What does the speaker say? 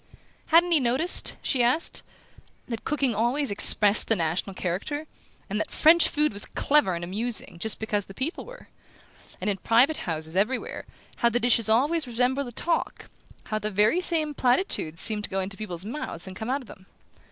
Hadn't he noticed, she asked, that cooking always expressed the national character, and that French food was clever and amusing just because the people were? And in private houses, everywhere, how the dishes always resembled the talk how the very same platitudes seemed to go into people's mouths and come out of them?